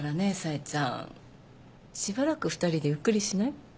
え冴ちゃんしばらく２人でゆっくりしない？